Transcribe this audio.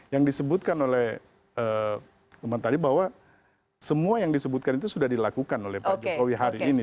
yang disebutkan oleh teman tadi bahwa semua yang disebutkan itu sudah dilakukan oleh pak jokowi hari ini